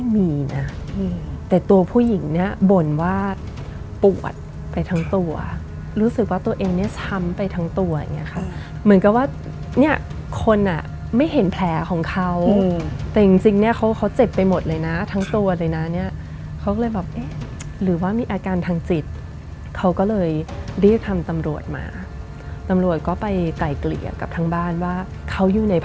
มีนะแต่ตัวผู้หญิงเนี่ยบ่นว่าปวดไปทั้งตัวรู้สึกว่าตัวเองเนี่ยช้ำไปทั้งตัวอย่างเงี้ค่ะเหมือนกับว่าเนี่ยคนอ่ะไม่เห็นแผลของเขาแต่จริงเนี่ยเขาเจ็บไปหมดเลยนะทั้งตัวเลยนะเนี่ยเขาก็เลยแบบเอ๊ะหรือว่ามีอาการทางจิตเขาก็เลยรีบทำตำรวจมาตำรวจก็ไปไกลเกลี่ยกับทั้งบ้านว่าเขาอยู่ในพ